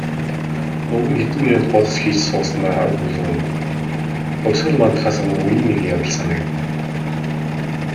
Өвгөн хэдэн минут бодос хийж сууснаа өгүүлрүүн "Хувьсгал мандахаас өмнө үеийн нэгэн явдал санагдана".